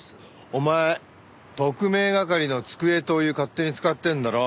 お前特命係の机とお湯勝手に使ってんだろ？